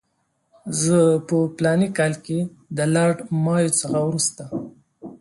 زه په فلاني کال کې د لارډ مایو څخه وروسته.